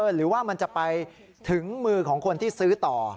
หรือว่ามันจะไปถึงมือของคนที่ซื้อต่อ